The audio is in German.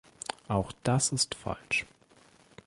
Auch das ist falsch!